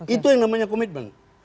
itu yang namanya komitmen